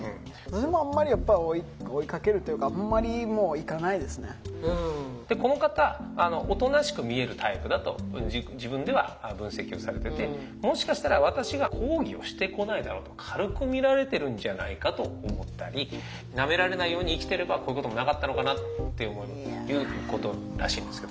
私もあんまりやっぱり追いかけるというかでこの方おとなしく見えるタイプだと自分では分析をされててもしかしたら私が「抗議をしてこないだろう」と軽くみられてるんじゃないかと思ったりなめられないように生きてればこういうこともなかったのかなっていう思いもということらしいんですけど。